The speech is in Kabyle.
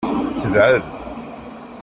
Tebɛed.